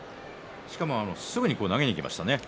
しかもすぐに投げにいきましたね。